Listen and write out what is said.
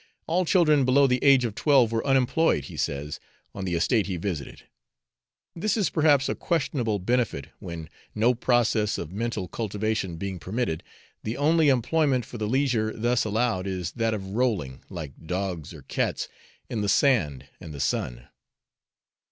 All children below the age of twelve were unemployed, he says, on the estate he visited: this is perhaps a questionable benefit, when, no process of mental cultivation being permitted, the only employment for the leisure thus allowed is that of rolling, like dogs or cats, in the sand and the sun.